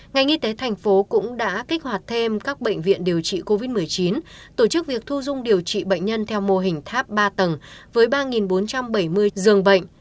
ngành y tế thành phố cũng đã kích hoạt thêm các bệnh viện điều trị covid một mươi chín tổ chức việc thu dung điều trị bệnh nhân theo mô hình tháp ba tầng với ba bốn trăm bảy mươi giường bệnh